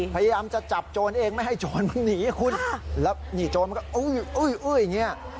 พยายามจะจับโจรเองไม่ให้โจรมันหนีคุณแล้วนี่โจรมันก็อื้ออย่างนี้